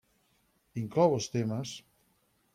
Inclou els temes: